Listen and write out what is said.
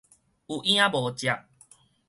有影無跡